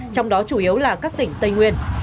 trong đó chủ yếu là các tỉnh tây nguyên